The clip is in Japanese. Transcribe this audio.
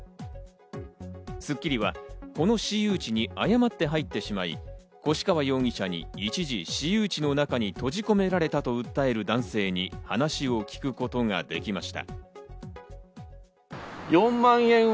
『スッキリ』はこの私有地に誤って入ってしまい、越川容疑者に一時、私有地の中に閉じ込められたと訴える男性に話を聞くことができました。